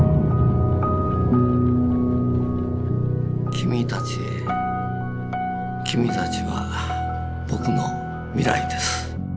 「君たちへ君たちは僕の未来です。